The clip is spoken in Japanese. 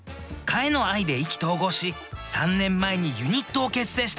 蚊への愛で意気投合し３年前にユニットを結成した。